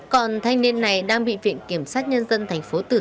còn thanh niên này đang bị viện kiểm sát nhân dân tp tử sơn tỉnh bắc ninh truy tố